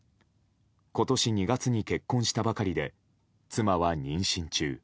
今年２月に結婚したばかりで妻は妊娠中。